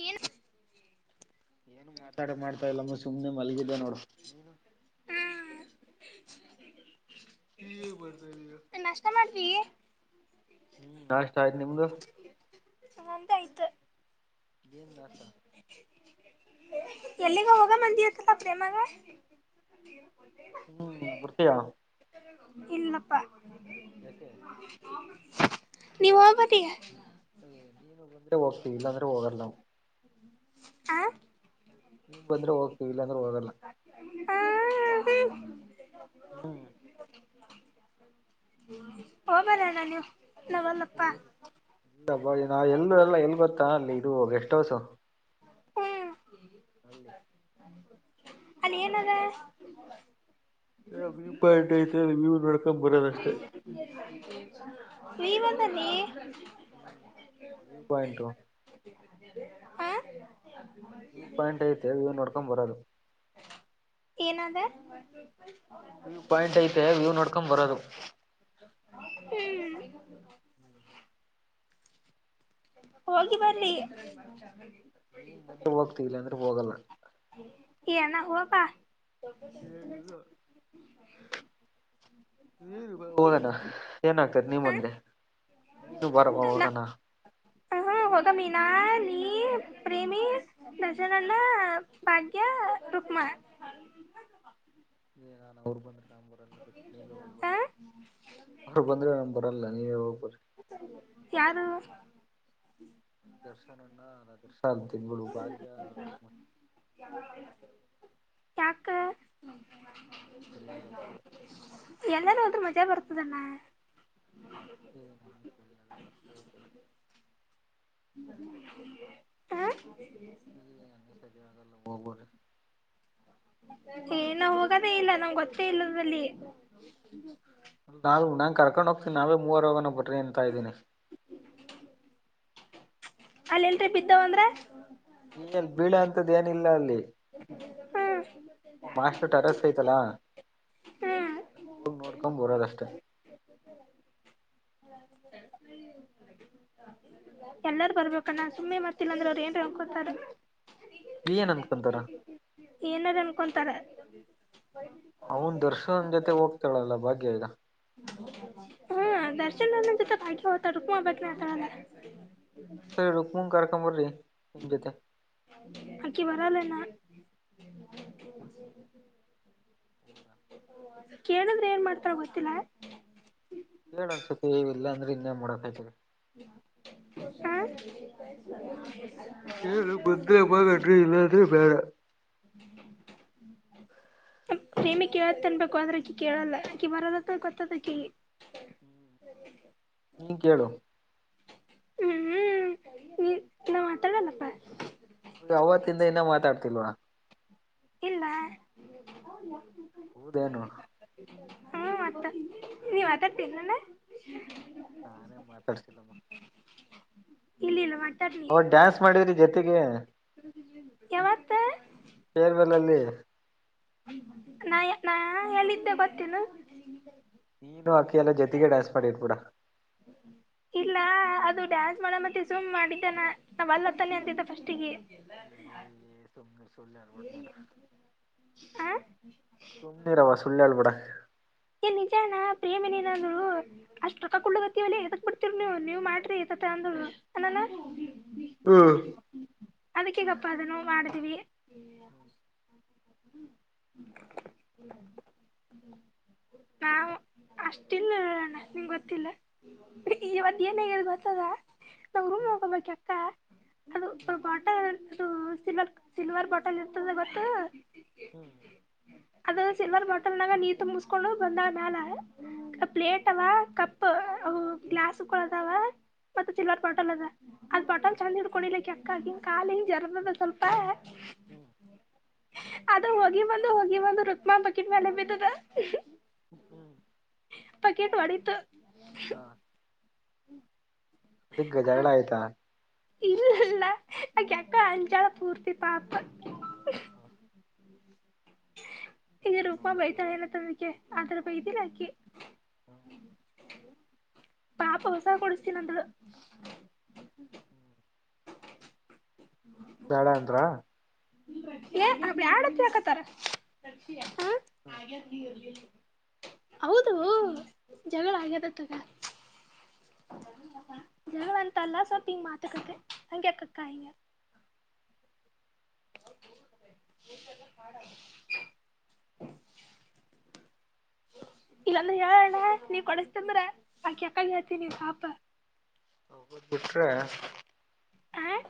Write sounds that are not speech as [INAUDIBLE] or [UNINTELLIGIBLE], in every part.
ಏನ್ ಏನು ಮಾತಾಡ ಮಾಡ್ತಾ ಇಲ್ಲಮ್ಮ ಸುಮನೆ ಮಲಗಿದ್ದೆ ನೋಡು ನೀನು ಹ್ಮ್ ನಿನ್ ಏನ್ ಮಾಡ್ತಾಯಿದೀಯ. ಏನ್ ಮಾಡತಿ. ಹ್ಮ್ ನಾಷ್ಟ ಆಯ್ತ್ ನಿಮ್ದು ನಂದು ಆಯ್ತು ಏನ್ ನಾಷ್ಟ ಎಲ್ಲಿಗ ಹೋಗಮ್ಮಮಂದಿ ಹತ್ತಲ್ಲ ಪ್ರೇಮಾಗ. ಹುಹು ಬರ್ತೀಯ. ಇಲ್ಲಪ್ಪ. [INAUDIBLE] ನಿನ್ ಹೋಗು ಮತ್ತೆ ಈಗ ನೀವು ಬಂದ್ರೆ ಹೋಗ್ತೀವಿ ಇಲ್ಲಾಂದ್ರೆ ಹೋಗರ್ಲ್ಲಾ. ಹಾ ನೀವು ಬಂದ್ರೆ ಹೋಗ್ತವಿ ಇಲ್ಲಾಂದ್ರೆ ಹೋಗಲ್ಲ. ಹ್ಮ್ ಹ್ಮ ಹೋಗಲಣ್ಣ ನೀವು ನಾವಲ್ಲಪ್ಪಾ ಹ್ಮ ಇಲ್ಲ ಎಲ್ಲು ಅಲ್ಲ ಎಲ್ಲಿ ಗೊತ್ತಾ ಅಲ್ಲಿ ಇದು ಗೆಸ್ಟ್ ಹೌಸ್. ಹ್ಮ ಅಲ್ಲಿ. ಅಲ್ಲಿ ಏನ್ ಅದ. ವ್ಯೂ ಪಾಯಿಂಟ್ ಐತೆ ವ್ಯೂ ನೋಡಿಕೊಂಡು ಬರೋದ ಅಷ್ಟೇ. ವ್ಯೂದಲ್ಲಿ ಹ್ಮ್ ವ್ಯೂ ಪಾಯಿಂಟು ಹ ವ್ಯೂ ಪಾಯಿಂಟ್ ಐತೆ ವ್ಯೂ ನೋಡ್ಕೊಂಡು ಬರೋದು. ಏನಾದ. ವ್ಯೂ ಪಾಯಿಂಟ್ ಐತೆ ವ್ಯೂ ನೋಡ್ಕೊಕೊಂಡು ಬರೋದು ಹ್ಮ್ ಹ್ಮ್ ಹೋಗಿಬನ್ನಿ. ನೀವು ಬಂದ್ರೆ ಹೋಗ್ತಿವಿ ಇಲ್ಲ ಅಂದ್ರೆ ಹೋಗಲ್ಲ ಏನೋ ಹೋಗ್ಬಾ. ಹೇಗಿಲ್ಲ [INAUDIBLE] ನೀನು ಬಾ ಹೋಗಣ ಏನಗತೈತೆ ನೀನು ಹ ಬಂದ್ರೆ ನೀನು ಬಾ ಹೋಗಣ. [INAUDIBLE] [UNINTELLIGIBLE] ನಾ ನೀ ಪ್ರೇಮಿ ರಾಜನನ್ನ ಭಾಗ್ಯ ರುಕ್ಮಾ. [INAUDIBLE] [INAUDIBLE] ಅವರು ಬಂದ್ರೆ ಮತ್ತ ನಾನ್ ಬರಲ್ಲ ನೀವೇ ಹೋಗಿ ಬರ್ರಿ. [INAUDIBLE] ಯಾರು. ದರ್ಶನ ಅಣ್ಣಾ ನಾ ದರ್ಶ ಅಂತೀನಿ ಬಿಡು ಭಾಗ್ಯ. [UNINTELLIGIBLE] [INAUDIBLE] ಸರಿಯಾದಲ್ಲಂಗ. ಎಲ್ಲಾರ ಹೋದ್ರರ ಮಜಾ ಬರ್ತದ ಅಣ್ಣಾ. [INAUDIBLE] [INAUDIBLE] ಹ. [INAUDIBLE] ಏ ನಾ ಹೋಗದೇ ಇಲ್ಲ ನಮ್ಗೆ ಗೊತ್ತೇ ಇಲ್ಲದ್ರಲ್ಲಿ. ನಾವು ನಾನ್ ಕರ್ಕೊಂಡ ಹೋಗ್ತೀನ ನಾವೇ ಮೂವರ ಹೋಗನ ಬರ್ರಿ ಅಂತ ಇದೀನಿ. ಅಲ್ಲ ಇಂತ್ರ ಬಿದ್ದಾವಂದ್ರ. ನಿನ್ ಮ್ಯಾಲ್ ಬೀಳ ಅಂತದ್ ಏನಿಲ್ಲ ಅಲ್ಲಿ. ಹ್ಮ್ ಮಾಸ್ಟರ್ ಟ್ಯರಸ್ ಐತಲಾ. ಹ್ಮ್ ಹೋಗಿ ನೋಡ್ಕೊ ಬರೋದಷ್ಟೇ. ಎಲ್ಲಾರ ಬರ್ಬೇಕಣ್ಣ ಸುಮ್ಮ್ನೆ ಮತ್ತಿಲ್ಲ ಅಂದ್ರೆ ಅವ್ರು ಏನ್ರ ಅನ್ಕೋತಾರ. ಏನ್ ಅತ್ಕೊಂತಾರ. ಏನಾರ್ ಅನ್ಕೊತಾರ. ಅವನ್ ದರ್ಶನ್ ಜೊತೆ ಹೋಗ್ತಾಳಲ್ಲ ಭಾಗ್ಯ ಈಗ. [INAUDIBLE] ಹ್ಮ. ದರ್ಶನನ್ನ ಜೊತೆ ಭಾಗ್ಯ ಹೋಗ್ತಾಳ ರುಕ್ಮಾ ಒಬ್ಬಕ್ಕೆ ಆಗ್ತಾಳಲ್ಲ. ರೂಕ್ಮುವನ್ ಕರ್ಕೊಂಡ ಬನ್ರೀ ನಿಮ್ಮ್ ಜೊತೆ. ಅಕಿ ಬರಲ್ಲ ಅಣ್ಣಾ. ಕೇಳಿದ್ರೆ ಏನ್ ಮಾಡ್ತಾಳ ಗೊತ್ತಿಲ್ಲಾ. ಹೇಳ ಅನ್ಸತ್ತತಿ ಇವ ಇಲ್ಲ ಅಂದ್ರ ಇನ್ನೇ ಮಾಡಕ ಆಗ್ತದೆ. [INAUDIBLE] ಕೇಳು ಬಂದ್ರೇ ಬಾ [UNINTELLIGIBLE] ಇಲ್ಲಾ ಅಂದ್ರೆ ಬೇಡಾ. ಪ್ರೇಮಿ ಕೇಳ ತನ್ಬೇಕು ಆದ್ರ ಅಕ್ಕಿ ಕೇಳಲ್ಲ ಅಕಿ ಬರಲ್ಲತ್ತ ಗೊತ್ತದಕ್ಕಿ. ನೀ ಕೇಳು. ಹ್ಮ್ ಹ್ಮ್ ಈ ನಾ ಮಾತಾಡಲಪ್ಪಾ. ಅವತ್ತಿಂದ ಇನ್ನ ಮಾತಾಡ್ತಿಲ್ವ. ಇಲ್ಲಾ. [INAUDIBLE] ಹೌದೇನು. ಹ್ಮ ಮತ್ತ ನೀವ. [UNINTELLIGIBLE] ನಾನೆನ್ ಮಾತಾಡ್ತಿಲ್ಲಮ್ಮ. ಇಲ್ಲ ಇಲ್ಲ. [UNINTELLIGIBLE] ಅವಾಗ ಡ್ಯಾನ್ಸ್ ಮಾಡಿದ್ರಿ ಜೊತೆಗೆ. [INAUDIBLE] ಯಾವತ್ತ. ಪೇರ್ವೆಲಲ್ಲಿ. ನಾ ನಾ ಹೇಳಿದ್ದೆ ಬತೇನು. ನಿಂದು ಅಕಿ ಎಲ್ಲ ಜತೆಗೆ ಡಾನ್ಸ್ ಮಾಡಿರ್ ಬಿಡ. [INAUDIBLE] ಇಲ್ಲ ಅದು ಡ್ಯಾನ್ಸ್ ಮಾಡ ಮತ್ತ ಇಡ್ಕೊಂದ ಮಾಡಿದ್ದೆ ನಾ ವಲ್ಲತ್ತಾನೆ ಅಂತಿದ್ದ ಫಸ್ಟಿಗೆ. [INAUDIBLE] ಹ [INAUDIBLE] ಸು್ಣ ರವ ಸುಳ್ಳಲು ಬಡಾ [UNINTELLIGIBLE] ಏಯ್ ನಿಜಾಣ್ಣ ಪ್ರೇಮಿದಿನಾಗಳು. ಅಷ್ಟ್ ರೊಕ್ಕಕೊಡ್ಕ್ಲತ್ತಿವಲ್ಲ ಎದಕ್ ಬರತೀರಿ ನೀವು ನೀವ್ ಮಾಡ್ರಿ ಅಂದ ಅನಾನ ಹಾ [INAUDIBLE] ಅದಕ್ಕಿಗಪ್ಪಾ ಅದನ್ನು ಮಾಡದೀವಿ- ಹ [INAUDIBLE] ಹಾ [INAUDIBLE] ನಾ ಅಷ್ಟಿಲ್ಲ ನ ನಿಂಗ ಗೊತ್ತಿಲ್ಲಾ ಇವತ್ ಏನಾಗದಗೊತ್ತದ ನಮ್ ರೂಮ್ನಗ ಹ್ಮ್ ಒಬ್ಬಕಿಅಕ್ಕಾ ಅದುಲ್ಪ ಹ್ಮ್ ಬದು [UNINTELLIGIBLE] ಸಿಲ್ವರ್ ಸಿಲ್ವರ್ ಬಾಟಲ್ ಇರ್ತದೆ ಗೊತ್ತು ಹ್ಮ್ [INAUDIBLE] ಅದರಗ ಸಿಲ್ವರ್ ಬಾಟಲ್ ನಾಗ ನೀರ ತುಂಬಿಸ್ಕೊಂಡು ಬಂದಳಮ್ಯಾಲ ಪ್ಲೇಟಾದ ಕಪ್ ಗ್ಲಾಸ್ಕು ಅದಾವ ಮತ್ತೆ ಸಿಲ್ವರ್ ಬಾಟಲ್ ಅದ ಅದ್ ಹ್ಮ್ ಬಟಾಲ್ ಚಂದ ಹಿಡ್ಕೊಂಡಿಲ್ಲಕ್ಕಿ ಅಕ್ಕಾ ಅಕಿನ್ ಕಾಲ್ ಜರದದ ಸ್ವಲ್ಪಾ ಹ್ಮ್ [INAUDIBLE] ಅದುಹೋಗಿ ಬಂದು ಹೋಗಿ ಬಂದು ರುಕ್ಮಾ ಬಕಿಟ್ ಮೇಲೆ ಬಿದ್ದದಾ. ಹ್ಮ ಹ್ಮ್ [INAUDIBLE] ಬಕಿಟ್ಒಡಿತ ಹಾಂ [INAUDIBLE] ಹ್ಮ್, ಅದ ಜಗಳ ಆಯ್ತಾ ಇಲ್ಲಾ ಅಕಿಅಕ್ಕಾಅಂಜಾಳ ಪೂರ್ತಿ ಪಾಪ ಈಗ ರೂಪ ಬೈತಾರೆ ಏನ ತಂಬಕ್ಕೆ ಆ ತರ ಬೈತಿಿಲ್ಲಾಕಿ [UNINTELLIGIBLE] ಹ [INAUDIBLE] ಪಾಪ ಹೊಸದ ಕೊಡಸ್ತೀನಿ ಅಂದ್ಲು ಬ್ಯಾಡ ಅಂದ್ರ [UNINTELLIGIBLE] ಏಯ್ ಬ್ಯಾಡಂತ್ ಯಾಕಂತಾರ ಹೌದು, ಜಗಳ ಆಗ್ಯದ ತಗ [UNINTELLIGIBLE] ಜಗಳಂತಲ್ಲಾ ಸ್ವಲ್ಪ ಹಂಗ ಮಾತ ಕತೆ ಹಂಗೆ ಯಾಕ ಅಕ್ಕಾ ಹಾ [INAUDIBLE] ಇಲ್ಲಾಂದ್ರೆ ಹೇಳಣ್ಣ ನೀವ್ ಕೊಡಸ್ತಂದ್ದರ ಆಕಿ ಅಕ್ಕಾಗ ಹೇಳ್ತೀನಿ ಪಾಪ. ಹದ್ ಬಿಟ್ರೆ [INAUDIBLE] ಹ [INAUDIBLE]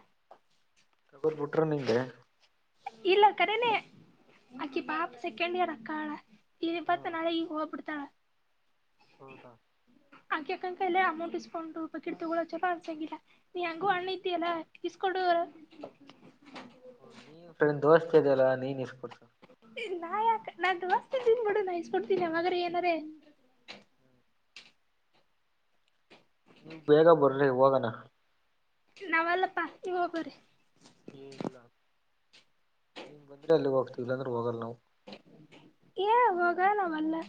ತಗರ್ ಬಿುಟರ ನೀ [UNINTELLIGIBLE] ಇಲ್ಲ ಕರೇನೆ ಅಕಿ ಪಾಪ ಸೆಕೆಂಡ್ ಇಯರ್ ಅಕ್ಕಳಾ. ಇ ಹಾ ಪತ್ ನಳ ಈೋಗಪಡ್ತಳ [UNINTELLIGIBLE] ಹೌದಾ, ಆಕೆಕಂತೇಲೆ ಎಲ್ಲ ಅಮೌಂಟ್ ಇಸ್ಕೊಂಡು ಬಕಿಟ್ತಗಂಡು ಚಲೋ ಅನ್ಸಂಗಿಲ್ಲ. ನೀ ಹೆಂಗೊ ಅಣ್ಣ ಇದಿಯಲ್ಲಾ ಇಸ್ಕೊಡು. ನೀ ಫ್ರಂಡ್ ದೋಸ್ತ ಅದೆಲ್ಲಾನೀನ ಇಸ್ಕೊಡು. ಇ ನಾ ಯಾಕೆ ನಾನ್ ದೊಸ್ತ ಅದಿನಲ್ಲಾಬಿ [UNINTELLIGIBLE] ಡ ನಾಯಿಸಸ್ಕ ಕೊಡ್ತೀನಿ ಮಾಗ್ರ ಏನಾರ ನೀವು ಬೇಗ ಬರ್ರಿ ಹೋಗುವ. ನಾವಲ್ಲಪ್ಪಾ ನೀವ ಹೋಗೋರಿ ಏ ಇಲ್ಲ ನೀವು ಬಂದರೆ ಅಲ್ಲಿಗೆ ಹೋಗ್ತಿವಲ್ಲ ಅಂದ್ರೆ ಹೋಗಲ್ಲ ನಾವು. ಹೇ ಹೋಗ ನಾ ವಲ್ಲೆ.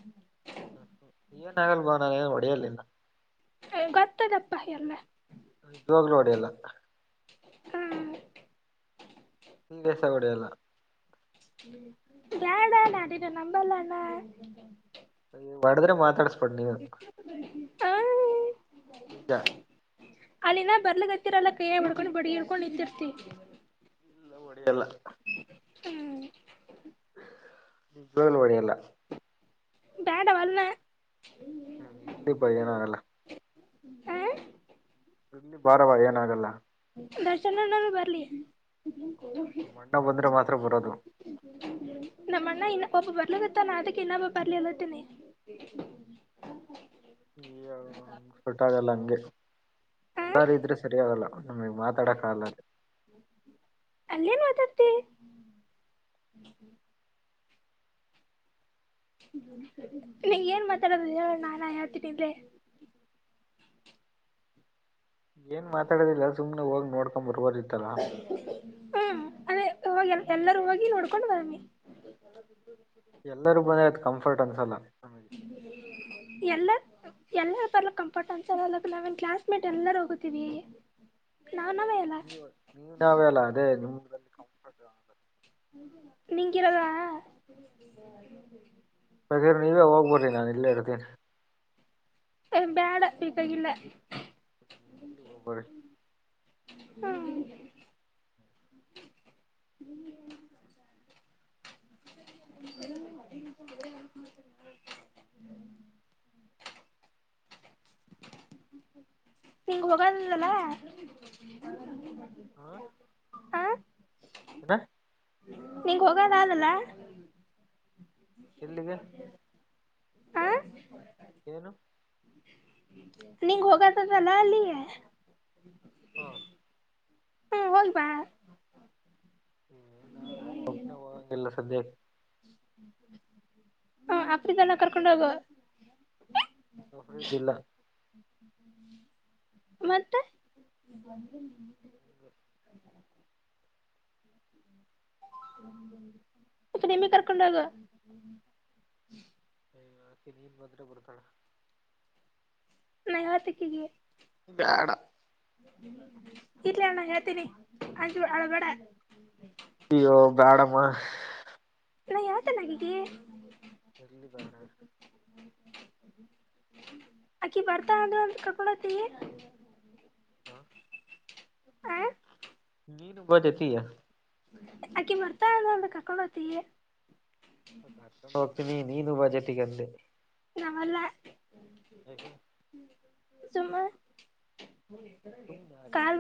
[INAUDIBLE] ಏನ್ ಆಗಲ್ ಬಾ ನಾ ಏನ್ ಹೊಡೆಯಲ್ ನಿನ್ನ. ಹೇ ಗೊತ್ತದಪ್ಪಾ ಎಲ್ಲ. ನಿಜ್ವಾಗ್ಲೂ ಹೊಡಿಯಲ್ಲ. ಹ್ಮ್ಮ್. [UNINTELLIGIBLE] ಒಡೆಯಲ್ಲ. ಬೇಡಾ ನಾ ಇದುನ್ ನಂಬಲಲ್ಲ. ಓಡ್ದ್ರೆ ಮಾತಾಡ್ಸ ಬ್ಯಾಡ್ ನೀನು. ಹಾ. ನಿಜ. ಅಲ್ಲಿನ ಬರ್ಲಿಕ್ಕತ್ತಿರಲ್ಲ ಕೈಯಗ್ ಬಡ್ಕೊಂಡ್ ಬಡ್ಗಿ ಇಡ್ಕೊಂಡ್ ನಿಂತಿರ್ತಿ. ಇಲ್ಲ ಹೊಡಿಯಲ್ಲ. ಹ್ಮ್. ನಿಜ್ವಾಲು ಒಡಿಯಲ್ಲ. ಬ್ಯಾಡ ವಲ್ಲೆ. [UNINTELLIGIBLE] ಏನ್ ಆಗಲ್ಲ. ಆ ಬರವ ಏನಾಗಲ್ಲ. ದರ್ಶನಣ್ಣನು ಬರ್ಲಿ. ಅಣ್ಣ ಬಂದ್ರೆ ಮಾತ್ರ ಬರದು. ನಮ್ಮಣ್ಣ ಇನ್ನ ಪಾಪ ಬಲ್ರಿಕತ್ತನಾ ಅದಿಕ್ಕೆ ಇನ್ನೊಬ್ಬ ಬರ್ಲಿ ಅನಾತ್ತೀನಿ. ಹೇ ಸೆಟ್ ಆಗಲ್ಲ ಹಂಗೆ ಹ ಎಲ್ಲಾರು ಇದ್ರೆ ಸರಿಯಾಗಲ್ಲ. ನಮಿಗ್ ಮಾತಡಕಗಲ್ಲ. ಅಲ್ಲೇನ್ ಮಾತಾಡ್ತಿ. ನೀ ಏನ್ ಮಾತಡದಿದೆ ಹೇಳು ನಾನ ಹೇಳ್ತೀನ್ ಇಲ್ಲೆ. ಏನ್ ಮಾತಾಡದಿಲ್ಲ ಸುಮ್ನೆ ಹೋಗ್ ನೋಡ್ಕೊಂಡ್ ಬರ್ಬೋದಿತ್. ಹ್ಮ್ ಅದೇ ಇವಾಗ್ ಎಲ್ಲರೂ ಹೋಗಿ ನೋಡ್ಕೊಂಡ್ ಬನ್ನಿ. ಎಲ್ಲರೂ ಬಂದ್ರೆ ಅದ್ ಕಂಫರ್ಟ್ ಅನ್ಸಲ್ಲ. ಎಲ್ಲ. ಎಲ್ಲ ಬರ್ಲಕ್ ಕಂಫರ್ಟ್ ಅನ್ಸಲಲ್ಲ ನಾವನ್ ಕ್ಲಾಸ್ ಮೇಟ್ ಎಲ್ಲಾರು ಹೋಗತೀವಿ ನಾವ್ ನಾವೆ. ನೀವ್ ನಾವೆಯಲ ಅದೇ ನಿಮ್. ನಿಂಗಿರದ. ಬೇಕಿರ್ ನೀವೆ ಹೋಗ್ಬರ್ರಿ ನಾನ್ ಇಲ್ಲೆ ಇರ್ತೀನ್. ಬ್ಯಾಡ ಬೇಕಾಗಿಲ್ಲ. ಬರಿ. ಹ್ಮ. [INAUDIBLE] ಹಿಂಗ್ ಹೊಗದಿಲಲ್ಲ. ಹಾ ನಿಂಗ್ ಹೋಗದಾದಲ್ಲ. ಎಲ್ಲಿಗೆ. ಹಾ. ಏನು. ನಿಂಗ್ ಹೋಗದದಲ್ಲಾ ಅಲ್ಲಿಯೇ. ಹಾ. ಹ್ಮ್ ಹೋಗ್ಬಾ. ಹ್ಮ ನಾನು ಒಬ್ನೆ ಹೋಗಂಗಿಲ್ಲ ಸದ್ಯಕ್ಕೆ. ಹ ಅಪ್ರಿದಲ್ಲ ಕರ್ಕೊಂಡ್ ಹೋಗು. ಅಫ್ರದ್ ಇಲ್ಲ. ಮತ್ತೆ. [UNINTELLIGIBLE] ಕರ್ಕೊಂಡೊಗು. ಹಕಿ ನಿನ್ ಬಂದ್ರೆ ಬರ್ತಳ. ನೈವತಿಕಿಗಿ. ಬೇಡ. ಇರ್ಲಿ ಅಣ್ಣ ಹೇಳ್ತೀನಿ ಅಂಜ ಅಳ್ಬೇಡ. ಅಯ್ಯೋ ಬ್ಯಾಡಮ್ಮ. ನಾ ಯೊಳ್ತಾನಾಕಿಗಿ. ಇರ್ಲಿ ಬೇಡ ಇರ್. ಅಕ್ಕಿ ಬರ್ತಾಳಂದ್ರೆ ಒ ಕರ್ಕಂಡೋತಿ. ಹಾ. ಹಾ. ನೀನು ಬಾ ಜೊತಿಗೆ. ಆಕಿ ಬರ್ತಾಳಂದ್ರ ಕರ್ಕೊಂಡೋತಿ. ಕರ್ಕೊಂಡೋಗ್ತೀನಿ ನೀನು ಬಾ ಜೊತಿಗೆ ಅಂದೆ. ನಾವಲ್ಲೆ. ಯಾಕೆ. ಸುಮ್ಮೆ. ಸುಮ್ನ್ಯಾಕಮ್ಮ.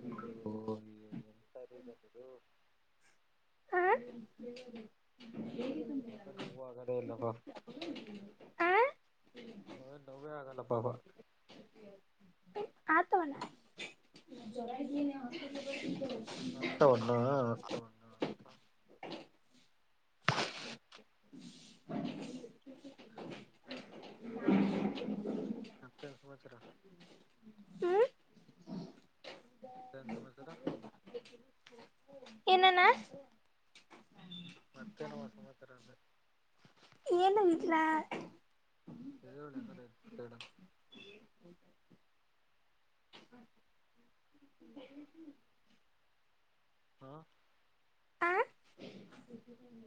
ಅಯ್ಯೋ ಅಯ್ಯೋ ಎಂತರಿದರಿವ್ರು. ಹಾ. [UNINTELLIGIBLE] ಆಗದೆ ಇಲ್ಲ ಬಾ. ಆ ನಾವೇನ್ ನೋವೇ ಆಗಲ್ಲ ಬಾಬಾ. ಅತವಲ. [INAUDIBLE] ಅತ್ತವನ ಆತವನ. ಮತ್ತೇನ್ ಸಮಾಚಾರ. ಹ್ಮ್ ಮತ್ತೇನ್ ಸಮಾಚಾರ. ಏನಣ್ಣ. ಮತ್ತೇನವ ಸಮಾಚಾರ ಅಂದೇ. ಏನು ಇಲ್ಲ. [UNINTELLIGIBLE] ಹಾ. ಆ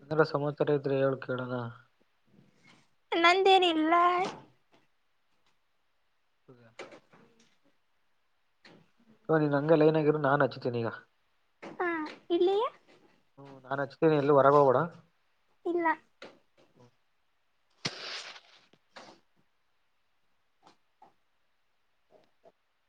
ಏನಾರ ಸಮಾಚಾರ ಇದ್ರೆ ಹೆಳು ಕೆಳನ. ನಂದೇನಿಲ್ಲ. [INAUDIBLE] ಪು ನೀನ್ ಹಂಗೆ ಲೈನಗಿರು ನನಚುತಿನಿಗಾ. ಹಾ ಇಳ್ಳಿಯೇ. ನಾಹಚ್ತಿನ್ ಎಲ್ಲೂ ಹೊರಗೋಬೆಡ. ಇಲ್ಲ.